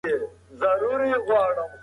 مرګ د ابدي سکون یا عذاب پیل دی.